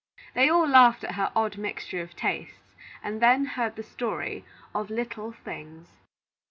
They all laughed at her odd mixture of tastes, and then heard the story of LITTLE THINGS.